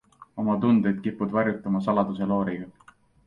Oma tundeid kipud varjutama saladuselooriga.